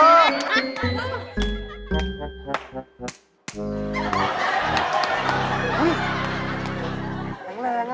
แรงน่ะ